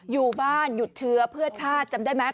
อยู่บ้านหยุดเชื้อเพื่อชาติจำได้ไหม